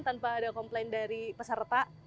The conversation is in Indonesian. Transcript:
tanpa ada komplain dari peserta